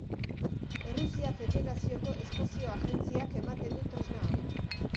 Errusia Federazioko Espazio Agentziak ematen du tresna hau.